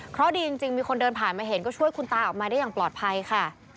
เพราะดีจริงมีคนเดินผ่านมาเห็นก็ช่วยคุณตาออกมาได้อย่างปลอดภัยค่ะ